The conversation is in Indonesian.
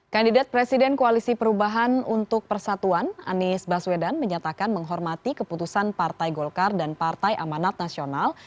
kandidat presiden koalisi perubahan untuk persatuan anies baswedan menyatakan menghormati keputusan partai golkar dan partai amanat nasional